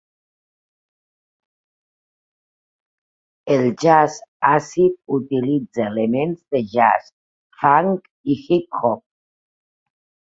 El jazz àcid utilitza elements de jazz, funk i hip-hop.